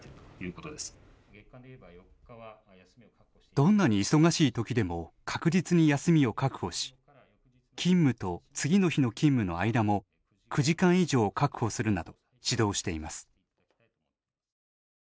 どんなに忙しい時でも確実に休みを確保し勤務と次の日の勤務の間も９時間以上、確保するなど指導しています。